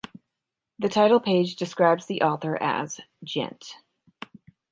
The title page describes the author as "Gent".